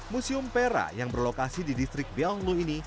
museum pera yang berlokasi di distrik belnglu ini